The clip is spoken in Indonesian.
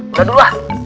udah dulu lah